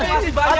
tidak tidak tidak